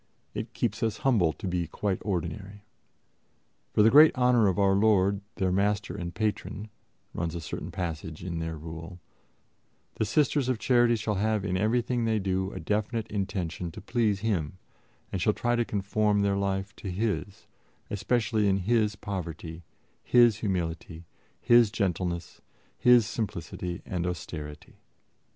. It keeps us humble to be quite ordinary ..." "For the greater honor of Our Lord, their Master and Patron," runs a certain passage in their Rule, "the Sisters of Charity shall have in everything they do a definite intention to please Him, and shall try to conform their life to His, especially in His poverty, His humility, His gentleness, His simplicity and austerity."